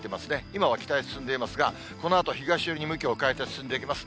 今は北へ進んでいますが、このあと東寄りに向きを変えて進んでいきます。